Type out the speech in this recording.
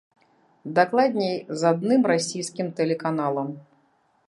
Дакладней, з адным расійскім тэлеканалам.